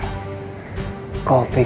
kau pikir aku tak bisa